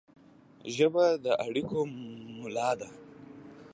ژبه د اړیکو ملا ده